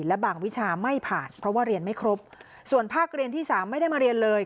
และบางวิชาไม่ผ่านเพราะว่าเรียนไม่ครบส่วนภาคเรียนที่สามไม่ได้มาเรียนเลย